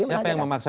siapa yang memaksa